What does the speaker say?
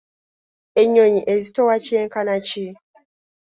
Ennyonyi ezitowa kyenka ki?